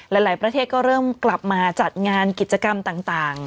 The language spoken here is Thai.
หลายประเทศก็เริ่มกลับมาจัดงานกิจกรรมต่าง